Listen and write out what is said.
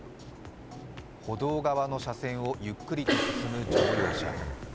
歩道側の車線をゆっくりと進む乗用車。